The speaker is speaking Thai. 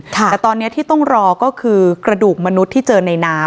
แต่ตอนนี้ที่ต้องรอก็คือกระดูกมนุษย์ที่เจอในน้ำ